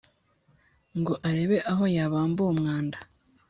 Ngo arebe aho yabamba uwo mwanda